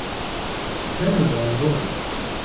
Iseyudo angolo?